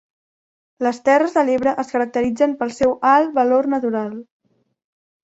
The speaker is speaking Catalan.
Les Terres de l'Ebre es caracteritzen pel seu alt valor natural.